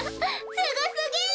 すごすぎる！